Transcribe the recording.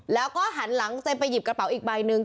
แล้วก็หันหลังจะไปหยิบกระเป๋าอีกใบหนึ่ง